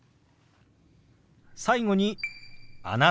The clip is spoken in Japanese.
最後に「あなた」。